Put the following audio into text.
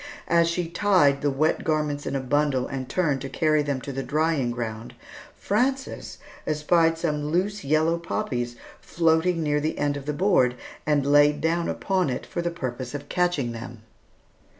As she tied the wet garments in a bundle and turned to carry them to the drying ground, Frances espied some loose yellow poppies floating near the end of the board and lay down upon it for the purpose of catching them.